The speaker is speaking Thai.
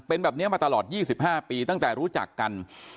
เป็นแบบนี้มาตลอด๒๕ปีตั้งแต่รู้จักกัน